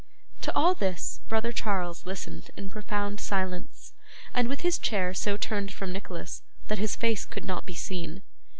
To all this, brother Charles listened in profound silence, and with his chair so turned from Nicholas that his face could not be seen.